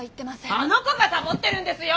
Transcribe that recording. あの子がサボってるんですよ！